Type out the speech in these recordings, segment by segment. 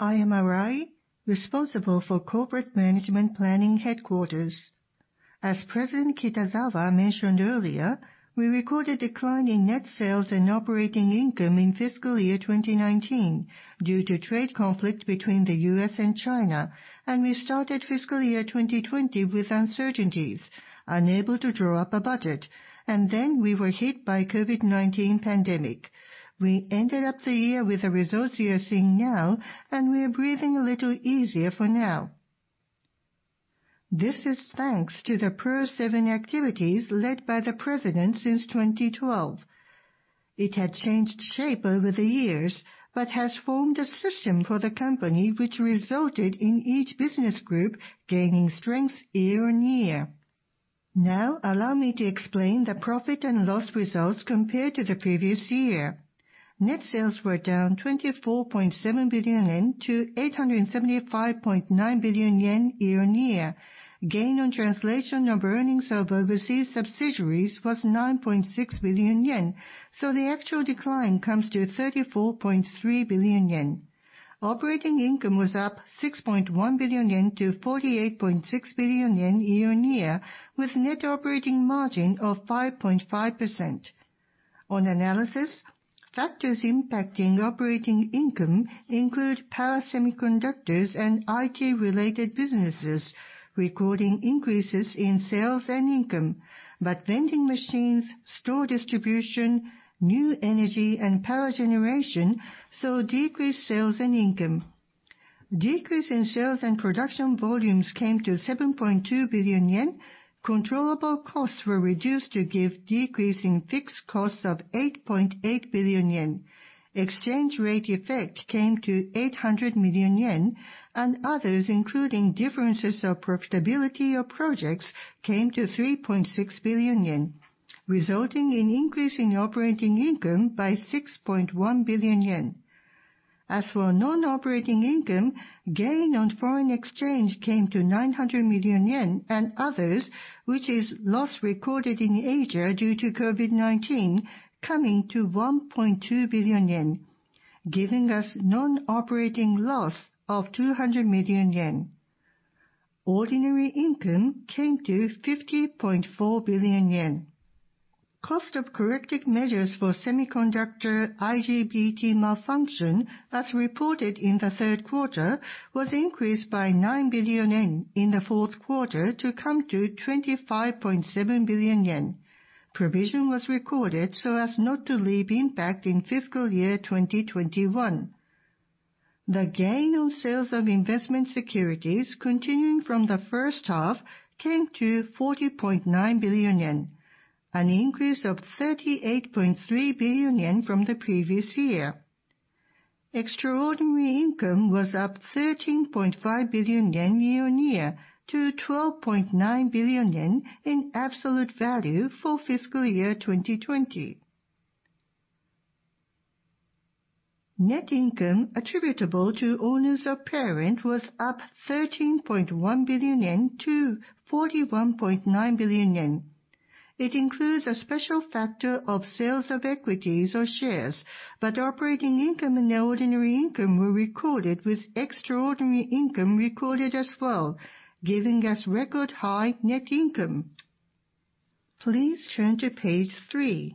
I am Arai, responsible for Corporate Management Planning Headquarters. As President Kitazawa mentioned earlier, we recorded decline in net sales and operating income in fiscal year 2019 due to trade conflict between the U.S. and China. We started fiscal year 2020 with uncertainties, unable to draw up a budget. We were hit by COVID-19 pandemic. We ended up the year with the results you are seeing now. We are breathing a little easier for now. This is thanks to the PRO-7 activities led by the president since 2012. It had changed shape over the years but has formed a system for the company which resulted in each business group gaining strength year-on-year. Allow me to explain the profit and loss results compared to the previous year. Net sales were down 24.7 billion yen to 875.9 billion yen year-on-year. Gain on translation of earnings of overseas subsidiaries was 9.6 billion yen, the actual decline comes to 34.3 billion yen. Operating income was up 6.1 billion yen to 48.6 billion yen year-on-year with net operating margin of 5.5%. On analysis, factors impacting operating income include power semiconductors and IT-related businesses recording increases in sales and income. Vending machines, store distribution, new energy, and power generation saw decreased sales and income. Decrease in sales and production volumes came to 7.2 billion yen. Controllable costs were reduced to give decrease in fixed costs of 8.8 billion yen. Exchange rate effect came to 800 million yen and others, including differences of profitability of projects, came to 3.6 billion yen, resulting in increase in operating income by 6.1 billion yen. As for non-operating income, gain on foreign exchange came to 900 million yen and others, which is loss recorded in Asia due to COVID-19 coming to 1.2 billion yen, giving us non-operating loss of 200 million yen. Ordinary income came to 50.4 billion yen. Cost of corrective measures for semiconductor IGBT malfunction, as reported in the third quarter, was increased by 9 billion yen in the fourth quarter to come to 25.7 billion yen. Provision was recorded so as not to leave impact in fiscal year 2021. The gain on sales of investment securities continuing from the first half came to 40.9 billion yen, an increase of 38.3 billion yen from the previous year. Extraordinary income was up 13.5 billion yen year-on-year to 12.9 billion yen in absolute value for fiscal year 2020. Net income attributable to owners of parent was up 13.1 billion yen to 41.9 billion yen. It includes a special factor of sales of equities or shares, but operating income and ordinary income were recorded with extraordinary income recorded as well, giving us record high net income. Please turn to page three.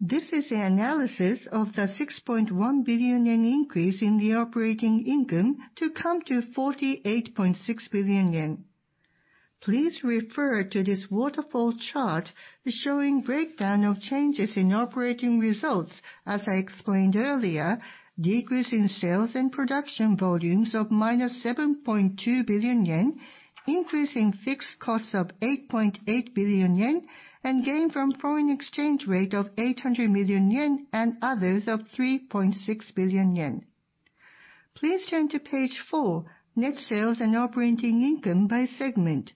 This is an analysis of the 6.1 billion yen increase in the operating income to come to 48.6 billion yen. Please refer to this waterfall chart showing breakdown of changes in operating results as I explained earlier, decrease in sales and production volumes of minus 7.2 billion yen, increase in fixed costs of 8.8 billion yen, and gain from foreign exchange rate of 800 million yen and others of 3.6 billion yen. Please turn to page four, net sales and operating income by segment.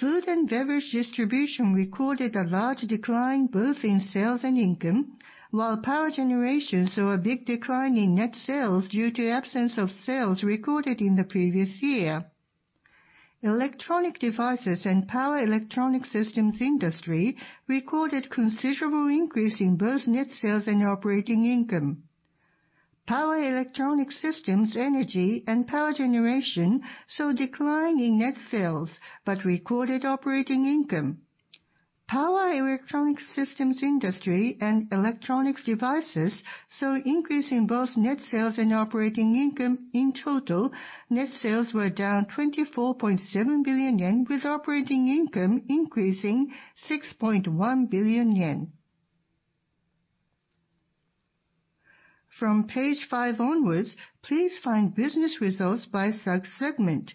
Food and Beverage Distribution recorded a large decline both in sales and income, while Power generation saw a big decline in net sales due to absence of sales recorded in the previous year. Electronic devices and Power Electronic Systems Industry recorded considerable increase in both net sales and operating income. Power Electronic Systems Energy and Power generation saw decline in net sales but recorded operating income. Power Electronic Systems Industry and Electronic devices saw increase in both net sales and operating income. In total, net sales were down 24.7 billion yen with operating income increasing 6.1 billion yen. From page five onwards, please find business results by subsegment.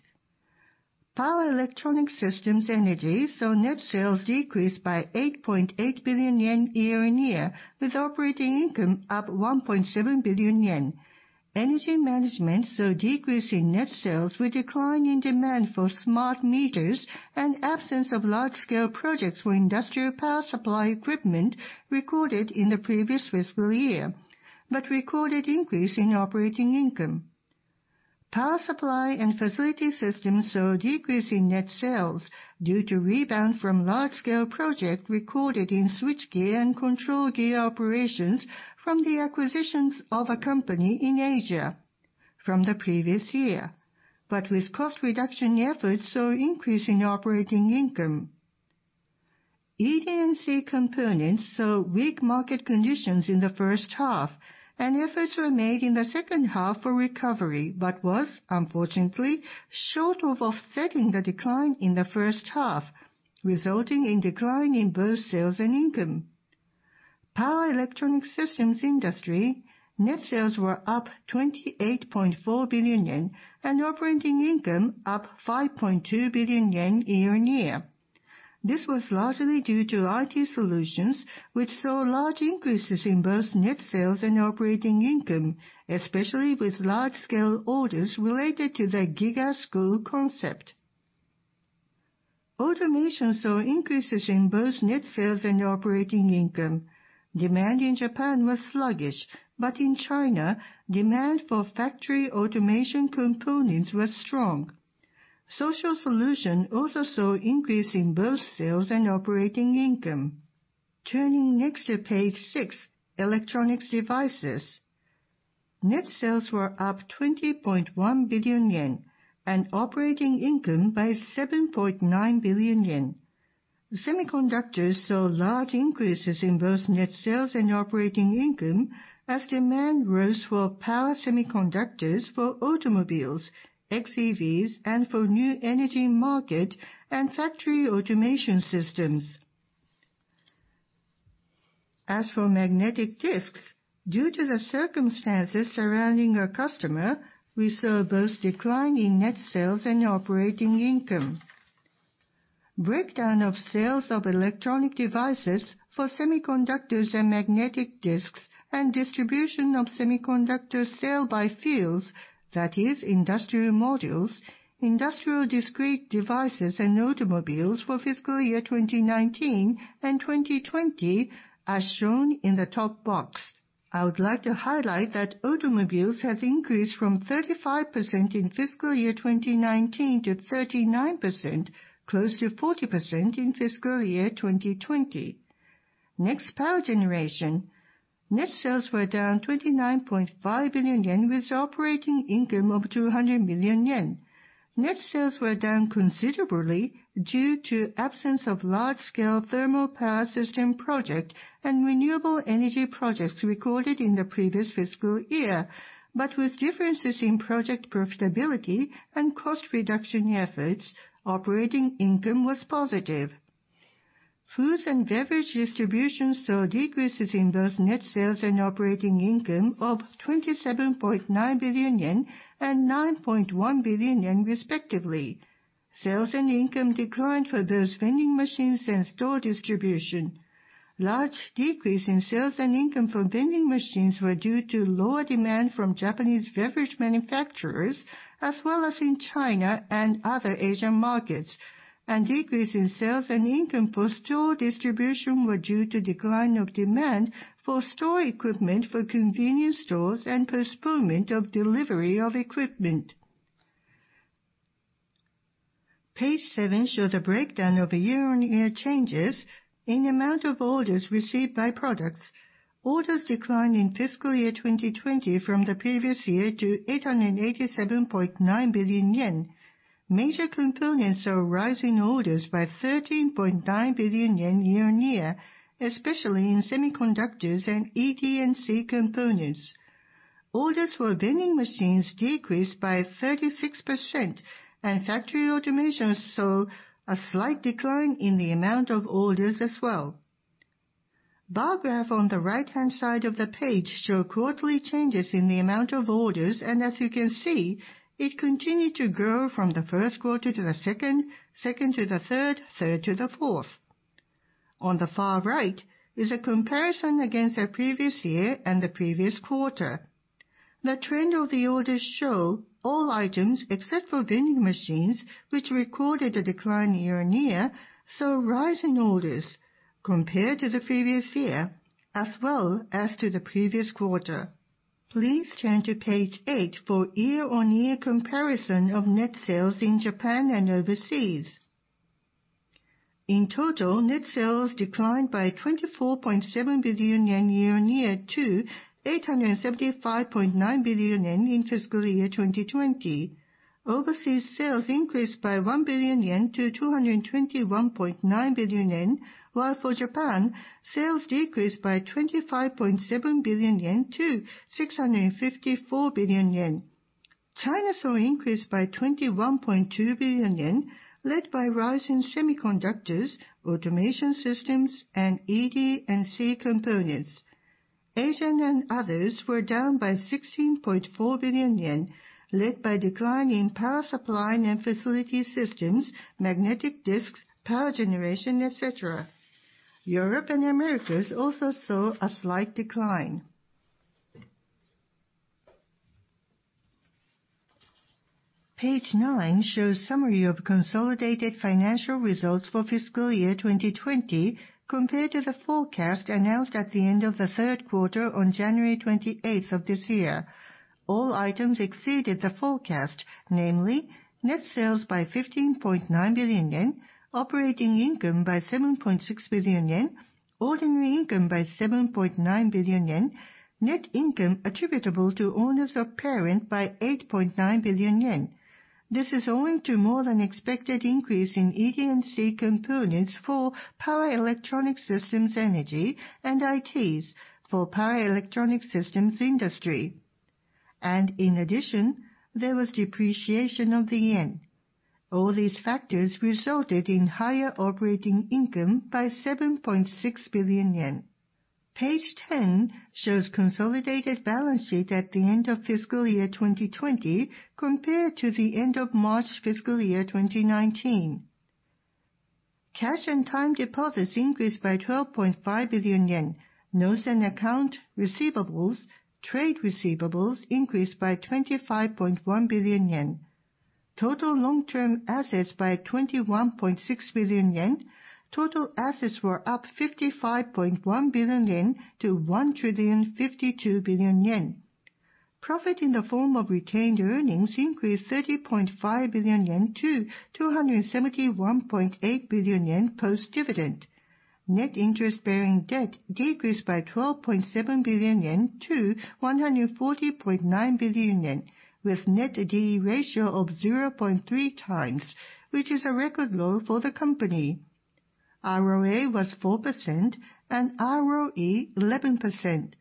Power Electronic Systems Energy saw net sales decrease by 8.8 billion yen year on year with operating income up 1.7 billion yen. Energy management saw decrease in net sales with decline in demand for smart meters and absence of large-scale projects for industrial power supply equipment recorded in the previous fiscal year, but recorded increase in operating income. Power supply and facility systems saw a decrease in net sales due to a rebound from large-scale projects recorded in switchgear and control gear operations from the acquisitions of a company in Asia from the previous year. With cost reduction efforts saw an increase in operating income. ED&C components saw weak market conditions in the first half, and efforts were made in the second half for recovery, but were, unfortunately, short of offsetting the decline in the first half, resulting in a decline in both sales and income. Power Electronic Systems Industry, net sales were up 28.4 billion yen and operating income up 5.2 billion yen year-on-year. This was largely due to IT solutions, which saw large increases in both net sales and operating income, especially with large-scale orders related to the GIGA School concept. Automation saw increases in both net sales and operating income. Demand in Japan was sluggish, but in China, demand for factory automation components was strong. Social Solution also saw an increase in both sales and operating income. Turning next to page six, electronics devices. Net sales were up 20.1 billion yen and operating income by 7.9 billion yen. Semiconductors saw large increases in both net sales and operating income as demand rose for power semiconductors for automobiles, xEVs, and for new energy market and factory automation systems. As for magnetic disks, due to the circumstances surrounding our customer, we saw both a decline in net sales and operating income. Breakdown of sales of electronic devices for semiconductors and magnetic disks and distribution of semiconductor sales by fields, that is industrial modules, industrial discrete devices, and automobiles for fiscal year 2019 and 2020 are shown in the top box. I would like to highlight that automobiles have increased from 35% in fiscal year 2019 to 39%, close to 40% in fiscal year 2020. Next, power generation. Net sales were down 29.5 billion yen with operating income of 200 million yen. Net sales were down considerably due to the absence of large-scale thermal power system projects and renewable energy projects recorded in the previous fiscal year. With differences in project profitability and cost reduction efforts, operating income was positive. Food and Beverage Distribution saw decreases in both net sales and operating income of 27.9 billion yen and 9.1 billion yen, respectively. Sales and income declined for both vending machines and store distribution. Large decreases in sales and income from vending machines were due to lower demand from Japanese beverage manufacturers, as well as in China and other Asian markets. Decreases in sales and income for store distribution were due to a decline of demand for store equipment for convenience stores and postponement of delivery of equipment. Page seven shows a breakdown of year-on-year changes in the amount of orders received by products. Orders declined in fiscal year 2020 from the previous year to 887.9 billion yen. Major components are a rise in orders by 13.9 billion yen year-on-year, especially in semiconductors and ED&C components. Orders for vending machines decreased by 36%, and factory automation saw a slight decline in the amount of orders as well. Bar graphs on the right-hand side of the page show quarterly changes in the amount of orders. As you can see, it continued to grow from the first quarter to the second to the third to the fourth. On the far right is a comparison against the previous year and the previous quarter. The trend of the orders shows all items except for vending machines, which recorded a decline year-on-year, saw a rise in orders compared to the previous year, as well as to the previous quarter. Please turn to page eight for year-on-year comparison of net sales in Japan and overseas. In total, net sales declined by 24.7 billion yen year-on-year to 875.9 billion yen in fiscal year 2020. Overseas sales increased by 1 billion yen to 221.9 billion yen, while for Japan, sales decreased by 25.7 billion yen to 654 billion yen. China saw an increase by 21.2 billion yen, led by a rise in semiconductors, automation systems, and ED&C components. Asia and others were down by 16.4 billion yen, led by a decline in power supply and facility systems, magnetic disks, power generation, et cetera. Europe and the Americas also saw a slight decline. Page nine shows summary of consolidated financial results for fiscal year 2020 compared to the forecast announced at the end of the third quarter on January 28th of this year. All items exceeded the forecast, namely net sales by 15.9 billion yen, operating income by 7.6 billion yen, ordinary income by 7.9 billion yen, net income attributable to owners of parent by 8.9 billion yen. This is owing to more than expected increase in ED&C components for Power Electronic Systems Energy and ITs for Power Electronic Systems Industry. In addition, there was depreciation of the yen. All these factors resulted in higher operating income by 7.6 billion yen. Page 10 shows consolidated balance sheet at the end of fiscal year 2020 compared to the end of March fiscal year 2019. Cash and time deposits increased by 12.5 billion yen. Notes and account receivables, trade receivables increased by 25.1 billion yen, total long-term assets by 21.6 billion yen. Total assets were up 55.1 billion yen to 1,052 billion yen. Profit in the form of retained earnings increased 30.5 billion yen to 271.8 billion yen post-dividend. Net interest-bearing debt decreased by 12.7 billion yen to 140.9 billion yen with net D/E ratio of 0.3 times, which is a record low for the company. ROA was 4% and ROE 11%.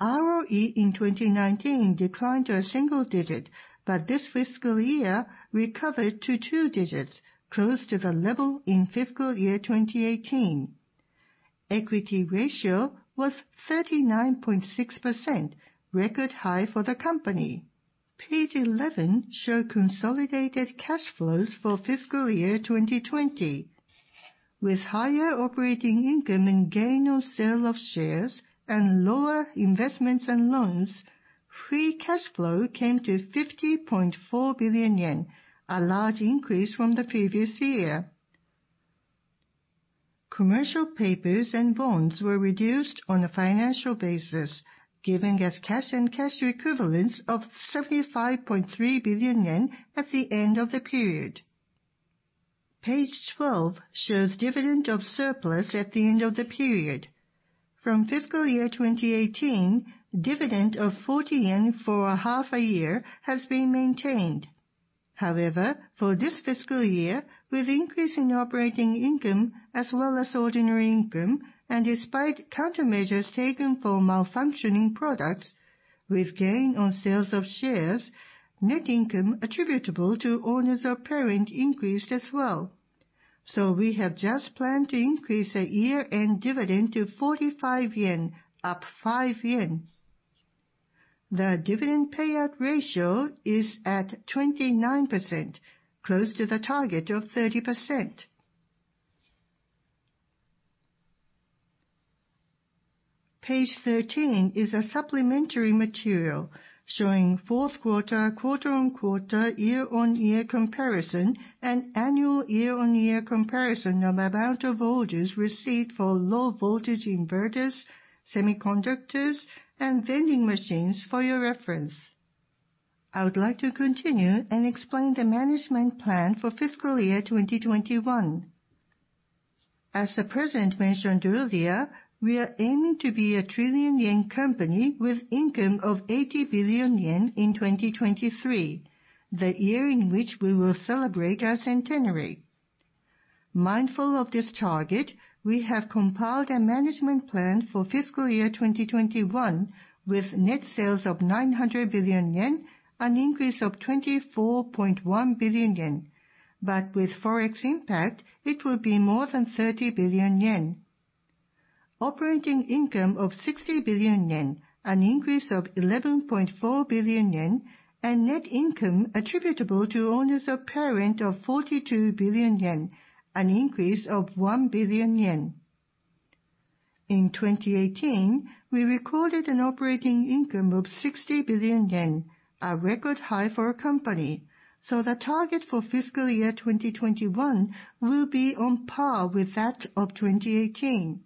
ROE in 2019 declined to a single digit, but this fiscal year recovered to two digits, close to the level in fiscal year 2018. Equity ratio was 39.6%, record high for the company. Page 11 show consolidated cash flows for fiscal year 2020. With higher operating income and gain on sale of shares and lower investments and loans, free cash flow came to 50.4 billion yen, a large increase from the previous year. Commercial papers and bonds were reduced on a financial basis, giving us cash and cash equivalents of 75.3 billion yen at the end of the period. Page 12 shows dividend of surplus at the end of the period. From fiscal year 2018, dividend of 40 yen for a half a year has been maintained. However, for this fiscal year, with increase in operating income as well as ordinary income, and despite countermeasures taken for malfunctioning products, with gain on sales of shares, net income attributable to owners of parent increased as well. We have just planned to increase our year-end dividend to 45 yen, up 5 yen. The dividend payout ratio is at 29%, close to the target of 30%. Page 13 is a supplementary material showing fourth quarter-on-quarter, year-on-year comparison and annual year-on-year comparison of amount of orders received for low voltage inverters, semiconductors, and vending machines for your reference. I would like to continue and explain the management plan for FY 2021. As the president mentioned earlier, we are aiming to be a 1 trillion yen company with income of 80 billion yen in 2023, the year in which we will celebrate our centenary. Mindful of this target, we have compiled a management plan for FY 2021 with net sales of 900 billion yen, an increase of 24.1 billion yen. With forex impact, it will be more than 30 billion yen. Operating income of 60 billion yen, an increase of 11.4 billion yen and net income attributable to owners of parent of 42 billion yen, an increase of 1 billion yen. In 2018, we recorded an operating income of 60 billion yen, a record high for our company. The target for fiscal year 2021 will be on par with that of 2018.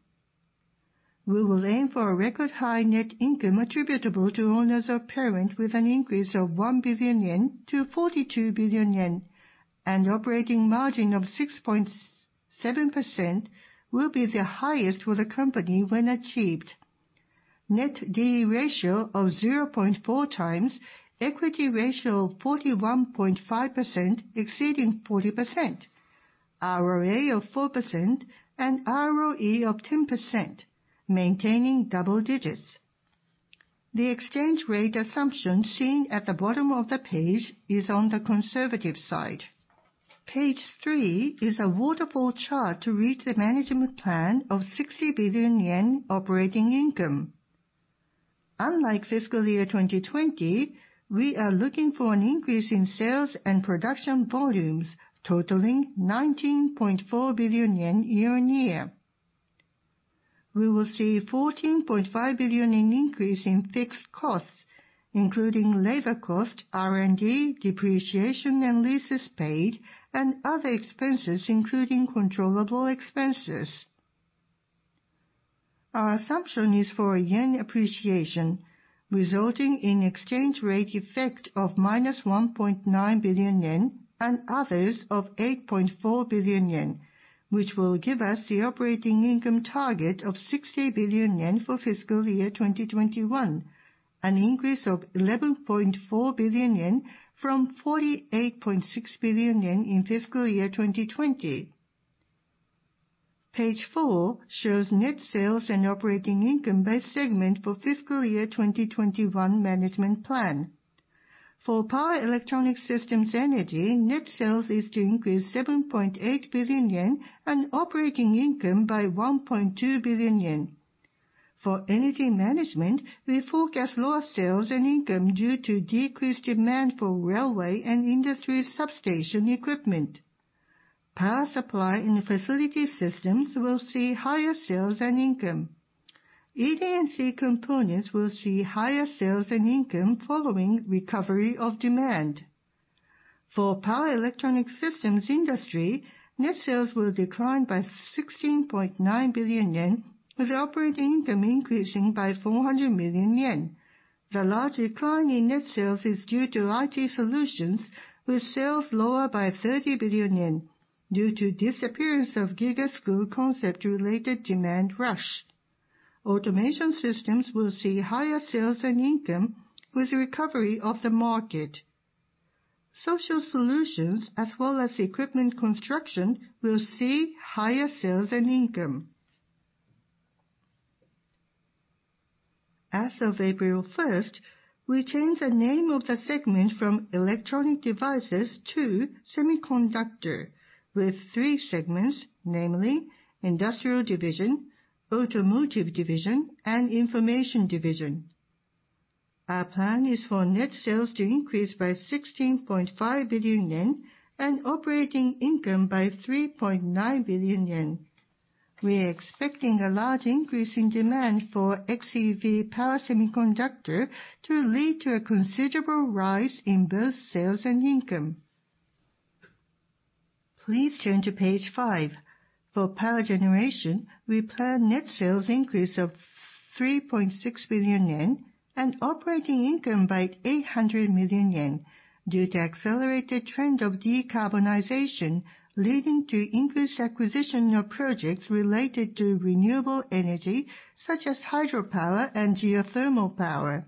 We will aim for a record high net income attributable to owners of parent with an increase of 1 billion yen to 42 billion yen. Operating margin of 6.7% will be the highest for the company when achieved. Net D/E ratio of 0.4x, equity ratio of 41.5% exceeding 40%, ROA of 4% and ROE of 10%, maintaining double digits. The exchange rate assumption seen at the bottom of the page is on the conservative side. Page three is a waterfall chart to reach the management plan of 60 billion yen operating income. Unlike fiscal year 2020, we are looking for an increase in sales and production volumes totaling 19.4 billion yen year-over-year. We will see 14.5 billion yen in increase in fixed costs, including labor cost, R&D, depreciation, and leases paid, and other expenses, including controllable expenses. Our assumption is for a yen appreciation, resulting in exchange rate effect of -1.9 billion yen and others of 8.4 billion yen, which will give us the operating income target of 60 billion yen for fiscal year 2021, an increase of 11.4 billion yen from 48.6 billion yen in fiscal year 2020. Page four shows net sales and operating income by segment for fiscal year 2021 management plan. For Power Electronic Systems Energy, net sales is to increase 7.8 billion yen and operating income by 1.2 billion yen. For energy management, we forecast lower sales and income due to decreased demand for railway and industry substation equipment. Power supply and facility systems will see higher sales and income. ED&C components will see higher sales and income following recovery of demand. For Power Electronic Systems Industry, net sales will decline by 16.9 billion yen, with operating income increasing by 400 million yen. The large decline in net sales is due to IT solutions, with sales lower by 30 billion yen due to disappearance of GIGA School concept related demand rush. Automation Systems will see higher sales and income with recovery of the market. Social Solutions as well as equipment construction will see higher sales and income. As of April 1st, we changed the name of the segment from Electronic Devices to Semiconductor, with three segments, namely Industrial Division, Automotive Division, and Information Division. Our plan is for net sales to increase by 16.5 billion yen and operating income by 3.9 billion yen. We are expecting a large increase in demand for xEV power semiconductor to lead to a considerable rise in both sales and income. Please turn to page five. For power generation, we plan net sales increase of 3.6 billion yen and operating income by 800 million yen due to accelerated trend of decarbonization, leading to increased acquisition of projects related to renewable energy, such as hydropower and geothermal power.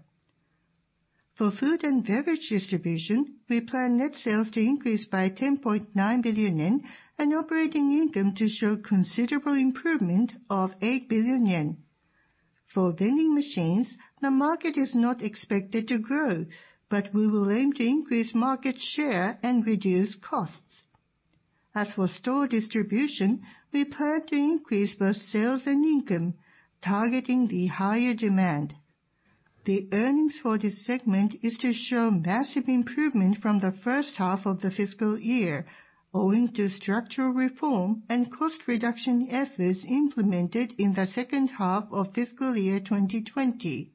For Food and Beverage Distribution, we plan net sales to increase by 10.9 billion yen and operating income to show considerable improvement of 8 billion yen. For vending machines, the market is not expected to grow, but we will aim to increase market share and reduce costs. As for store distribution, we plan to increase both sales and income, targeting the higher demand. The earnings for this segment is to show massive improvement from the first half of the fiscal year, owing to structural reform and cost reduction efforts implemented in the second half of fiscal year 2020.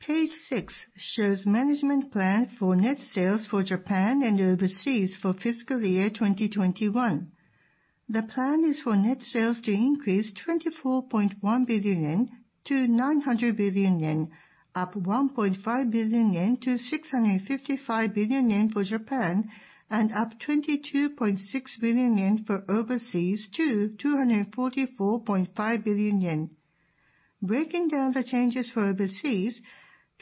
Page six shows management plan for net sales for Japan and overseas for fiscal year 2021. The plan is for net sales to increase 24.1 billion yen to 900 billion yen, up 1.5 billion yen to 655 billion yen for Japan, and up 22.6 billion yen for overseas to 244.5 billion yen. Breaking down the changes for overseas,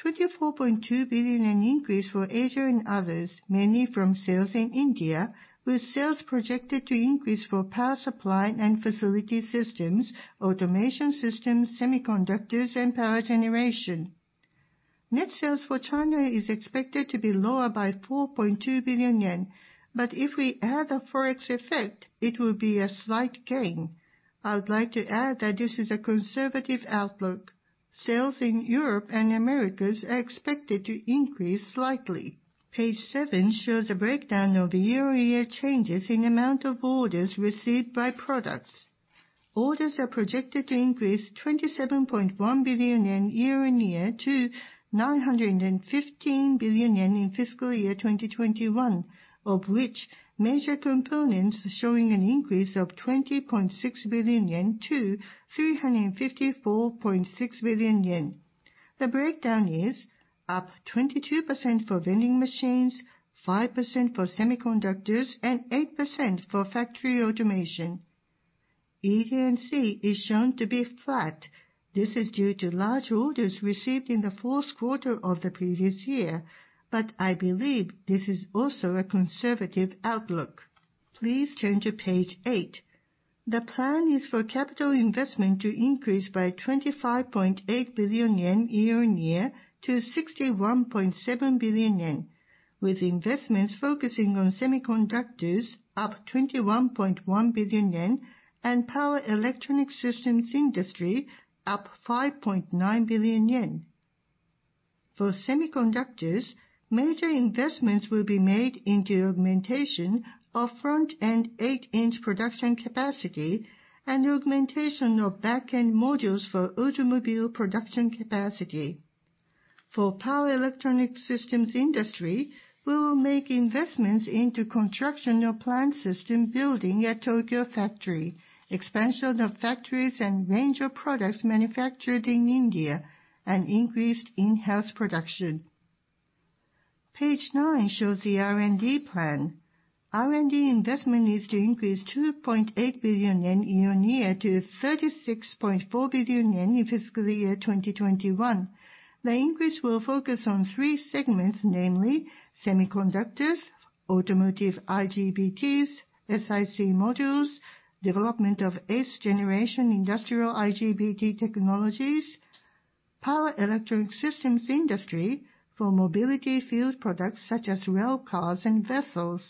24.2 billion yen in increase for Asia and others, mainly from sales in India, with sales projected to increase for power supply and facility systems, automation systems, semiconductors, and power generation. Net sales for China is expected to be lower by 4.2 billion yen, but if we add the forex effect, it will be a slight gain. I would like to add that this is a conservative outlook. Sales in Europe and Americas are expected to increase slightly. Page seven shows a breakdown of the year-on-year changes in amount of orders received by products. Orders are projected to increase 27.1 billion yen year-on-year to 915 billion yen in fiscal year 2021, of which major components are showing an increase of 20.6 billion yen to 354.6 billion yen. The breakdown is up 22% for vending machines, 5% for semiconductors, and 8% for factory automation. ED&C is shown to be flat. This is due to large orders received in the fourth quarter of the previous year, but I believe this is also a conservative outlook. Please turn to page eight. The plan is for capital investment to increase by 25.8 billion yen year-on-year to 61.7 billion yen, with investments focusing on semiconductors up 21.1 billion yen and Power Electronic Systems Industry up 5.9 billion yen. For semiconductors, major investments will be made into augmentation of front-end eight-inch production capacity and augmentation of back-end modules for automobile production capacity. For Power Electronic Systems Industry, we will make investments into construction of plant system building at Tokyo factory, expansion of factories and range of products manufactured in India, and increased in-house production. Page nine shows the R&D plan. R&D investment is to increase 2.8 billion yen year-on-year to 36.4 billion yen in fiscal year 2021. The increase will focus on three segments, namely Semiconductors, Automotive IGBTs, SiC Modules, development of 8th-generation industrial IGBT technologies, power electronic systems industry for mobility field products such as rail cars and vessels,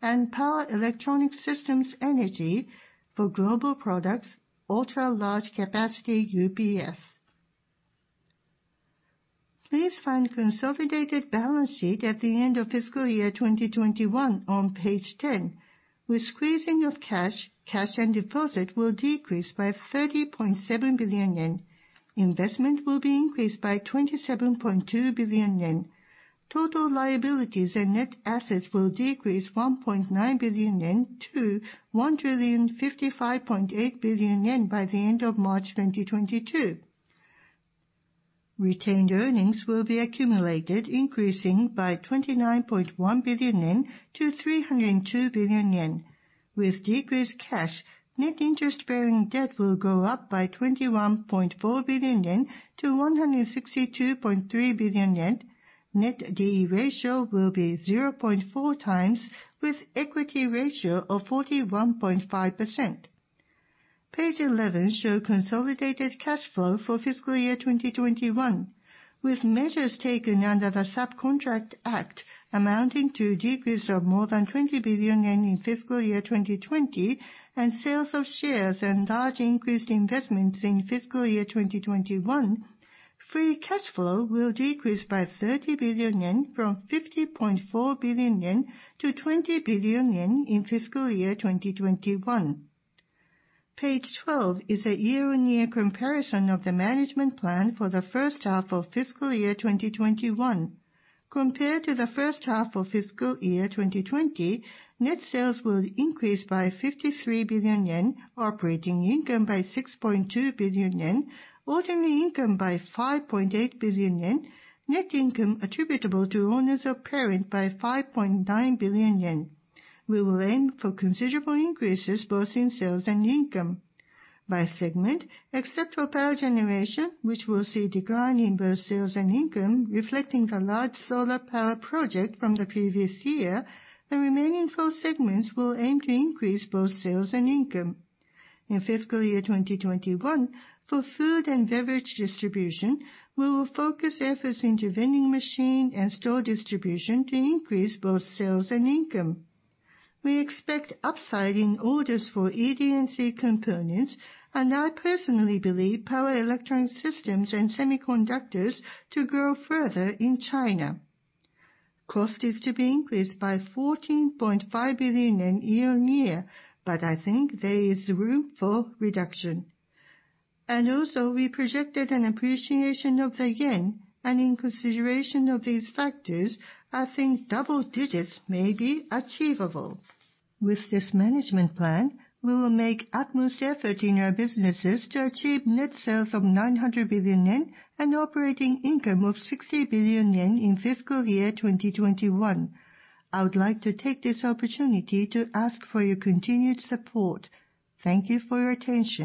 and power electronic systems energy for global products, ultra-large capacity UPS. Please find consolidated balance sheet at the end of fiscal year 2021 on page 10. With squeezing of cash and deposit will decrease by 30.7 billion yen. Investment will be increased by 27.2 billion yen. Total liabilities and net assets will decrease 1.9 billion yen to 1,055.8 billion yen by the end of March 2022. Retained earnings will be accumulated, increasing by 29.1 billion yen to 302 billion yen. With decreased cash, net interest-bearing debt will go up by 21.4 billion yen to 162.3 billion yen. Net debt ratio will be 0.4x with equity ratio of 41.5%. Page 11 show consolidated cash flow for fiscal year 2021. With measures taken under the Subcontract Act amounting to a decrease of more than 20 billion yen in fiscal year 2020 and sales of shares and large increased investments in fiscal year 2021, free cash flow will decrease by 30 billion yen from 50.4 billion yen to 20 billion yen in fiscal year 2021. Page 12 is a year-on-year comparison of the management plan for the first half of fiscal year 2021. Compared to the first half of fiscal year 2020, net sales will increase by 53 billion yen, operating income by 6.2 billion yen, ordinary income by 5.8 billion yen, net income attributable to owners of parent by 5.9 billion yen. We will aim for considerable increases both in sales and income. By segment, except for power generation, which will see a decline in both sales and income reflecting the large solar power project from the previous year, the remaining four segments will aim to increase both sales and income. In fiscal year 2021, for Food and Beverage Distribution, we will focus efforts into vending machine and store distribution to increase both sales and income. We expect upside in orders for ED&C components, and I personally believe Power Electronic Systems and semiconductors to grow further in China. Cost is to be increased by 14.5 billion yen year-on-year, but I think there is room for reduction. Also, we projected an appreciation of the yen, and in consideration of these factors, I think double digits may be achievable. With this management plan, we will make utmost effort in our businesses to achieve net sales of 900 billion yen and operating income of 60 billion yen in fiscal year 2021. I would like to take this opportunity to ask for your continued support. Thank you for your attention.